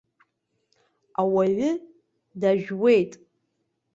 Ауаҩы дажәуеит.